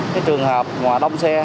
cái trường hợp ngoài đông xe